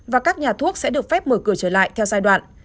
và các nhà thuốc sẽ được phép mở cửa trở lại theo giai đoạn